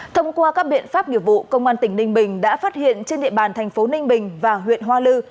thông qua các biện pháp nghiệp vụ công an tỉnh ninh bình đã phát hiện trên địa bàn thành phố ninh bình và huyện hoa lư